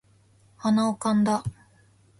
鼻をかんだ